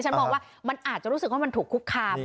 มองว่ามันอาจจะรู้สึกว่ามันถูกคุกคาม